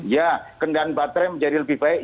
ya kendaraan baterai menjadi lebih baik